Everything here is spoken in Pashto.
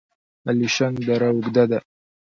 الیشنګ دره اوږده ده؟